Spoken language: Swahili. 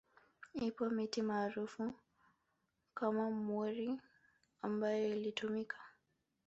Ipo miti maarufu kama mwori ambayo ilitumika